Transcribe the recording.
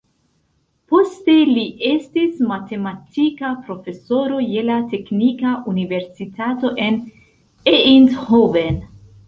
Poste li estis matematika profesoro je la teknika universitato en Eindhoven.